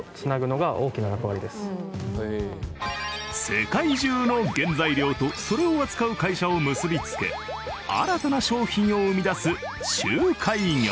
世界中の原材料とそれを扱う会社を結び付け新たな商品を生み出す仲介業。